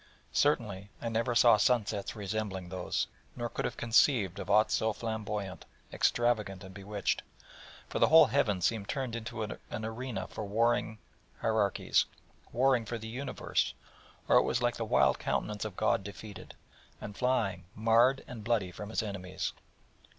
Certainly, I never saw sun sets resembling those, nor could have conceived of aught so flamboyant, extravagant, and bewitched: for the whole heaven seemed turned into an arena for warring Hierarchies, warring for the universe, or it was like the wild countenance of God defeated, and flying marred and bloody from His enemies.